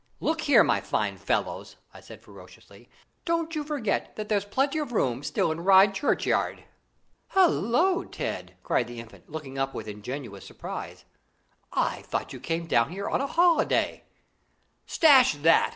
"Look here, my fine fellows," I said ferociously, "don't you forget that there's plenty of room still in Ryde Churchyard." "Hallo, Ted!" cried the Infant, looking up with ingenuous surprise, "I thought you came down here on a holiday?" "Stash that!"